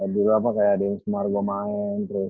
dulu apa kayak deng semargo main terus